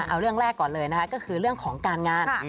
เอาเรื่องแรกก่อนเลยนะคะก็คือเรื่องของการงาน